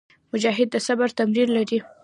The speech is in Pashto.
مجاهد د صبر تمرین لري.